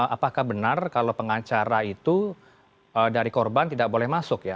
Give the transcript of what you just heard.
apakah benar kalau pengacara itu dari korban tidak boleh masuk ya